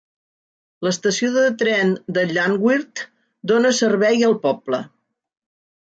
L'estació de tren de Llanwrtyd dona servei al poble.